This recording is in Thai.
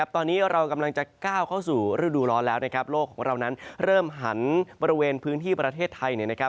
ตอนนี้เรากำลังจะก้าวเข้าสู่ฤดูร้อนแล้วนะครับโลกของเรานั้นเริ่มหันบริเวณพื้นที่ประเทศไทยเนี่ยนะครับ